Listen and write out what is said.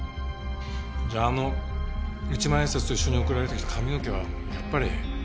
じゃああの１万円札と一緒に送られてきた髪の毛はやっぱり。